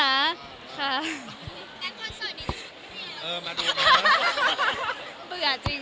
นะินว่าคอนเซิร์ตจริง